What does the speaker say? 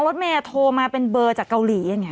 รถเมย์โทรมาเป็นเบอร์จากเกาหลีอย่างนี้